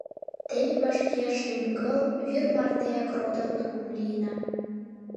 Теве вашке шӱм-кыл, вӱр мартеак родо-тукым лийына...